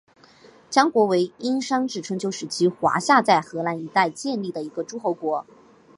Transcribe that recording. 江国为殷商至春秋时期华夏在河南一带建立的一个诸侯国。